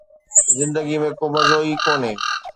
زندگيءَ ۾ ڪو مزو ئي ڪونهي